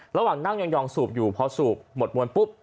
ระหว่างนั่งยองสูบอยู่พอสูบหมดมวลปุ๊บ